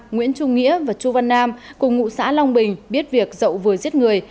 nguyễn trung nghĩa và chu văn nam cùng ngụ xã long bình biết việc dậu vừa giết người